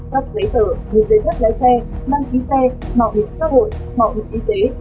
các giấy tờ như giấy thức lái xe đăng ký xe mạo hình xác hội mạo hình y tế